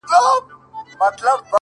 په دقيقه کي مسلسل له دروازې وځم _